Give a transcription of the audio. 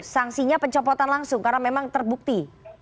sanksinya pencopotan langsung karena memang terbukti